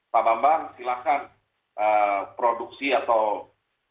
pak bambang silahkan produksi atau produk